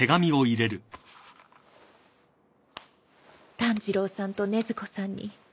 炭治郎さんと禰豆子さんによろしくね。